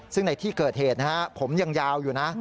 ซึ่งในที่เกิดเหตุผมยังยาวอยู่นะ